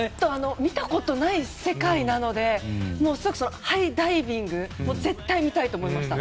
見たことない世界なのでハイダイビング絶対に見たいと思いました。